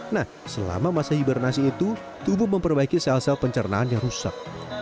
nah selama masa hibernasi itu tubuh memperbaiki sel sel pencernaan yang rusak